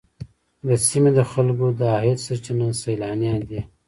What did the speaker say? د سیمې د خلکو د عاید سرچینه سیلانیان دي.